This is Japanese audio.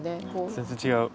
全然違う。